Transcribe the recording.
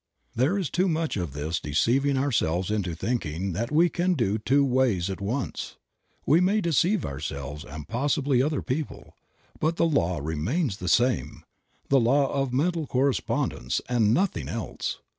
There is too much of this deceiving ourselves into thinking that we can do two ways Creative Mind. 31 at once. We may deceive ourselves and possibly other people, but the law remains the same, a law of mental correspondences, and nothing else.